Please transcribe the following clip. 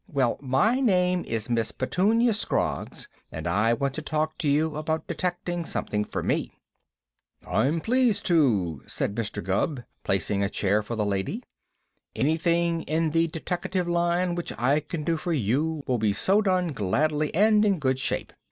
Well, my name is Miss Petunia Scroggs, and I want to talk to you about detecting something for me." "I'm pleased to," said Mr. Gubb, placing a chair for the lady. "Anything in the deteckative line which I can do for you will be so done gladly and in good shape.